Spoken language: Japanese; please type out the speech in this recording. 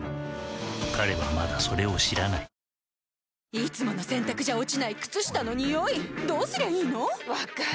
いつもの洗たくじゃ落ちない靴下のニオイどうすりゃいいの⁉分かる。